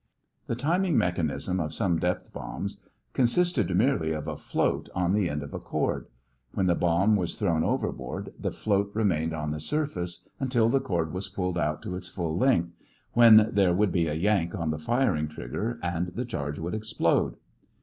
The timing mechanism of some depth bombs consisted merely of a float on the end of a cord. When the bomb was thrown overboard this float remained on the surface until the cord was pulled out to its full length, when there would be a yank on the firing trigger and the charge would explode.